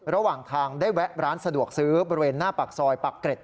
ระหว่างทางได้แวะร้านสะดวกซื้อบริเวณหน้าปากซอยปักเกร็ด